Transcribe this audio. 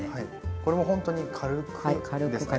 これもほんとに軽くですね。